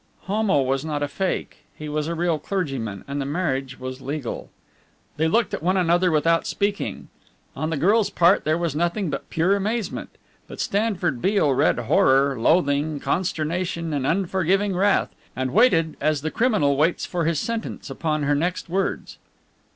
"Homo was not a fake! He was a real clergyman! And the marriage was legal!" They looked at one another without speaking. On the girl's part there was nothing but pure amazement; but Stanford Beale read horror, loathing, consternation and unforgiving wrath, and waited, as the criminal waits for his sentence, upon her next words.